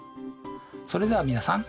それでは皆さん。